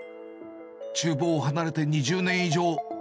ちゅう房を離れて２０年以上。